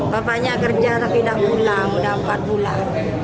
bapaknya kerja tapi sudah pulang sudah empat bulan